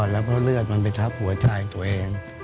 แล้วก็เลือดมันไปทับหัวใจตัวเอง